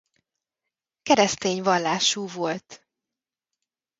Keresztény vallású volt.